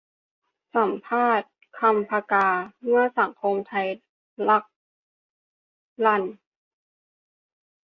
สัมภาษณ์ 'คำ ผกา' : เมื่อสังคมไทยลักลั่น